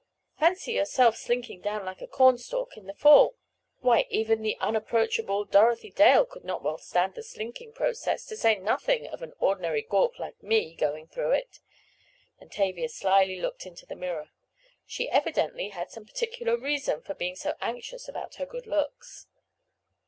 Fancy yourself slinking down like a cornstalk in the fall! Why, even the unapproachable Dorothy Dale could not well stand the slinking process, to say nothing of an ordinary gawk like me going through it," and Tavia slyly looked into the mirror. She evidently had some particular reason for being so anxious about her good looks.